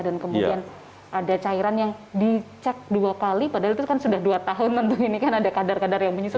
dan kemudian ada cairan yang dicek dua kali padahal itu kan sudah dua tahun tentu ini kan ada kadar kadar yang menyusut